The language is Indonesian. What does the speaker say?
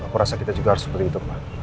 aku rasa kita juga harus seperti itu pak